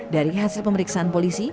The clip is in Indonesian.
dari hasil pemeriksaan polisi